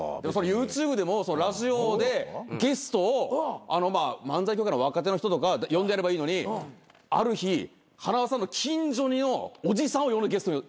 ＹｏｕＴｕｂｅでもラジオでゲストを漫才協会の若手の人とか呼んでやればいいのにある日塙さんの近所によおじさんを。